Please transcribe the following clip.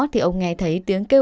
thì ông nghe thấy tiếng kêu cứu